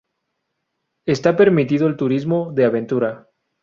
Está permitido el Turismo de aventura.